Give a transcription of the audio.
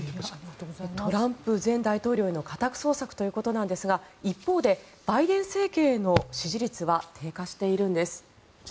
トランプ前大統領への家宅捜索ということですが一方でバイデン政権への支持率は低下しているんです。